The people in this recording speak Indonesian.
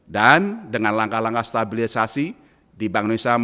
dan dengan langkah langkah stabilisasi di bank indonesia